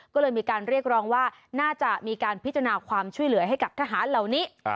ก็เลยมีการเรียกร้องว่าน่าจะมีการพิจารณาความช่วยเหลือให้กับทหารเหล่านี้